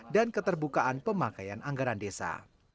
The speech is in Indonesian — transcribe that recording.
keterbukaan pemakaian anggaran desa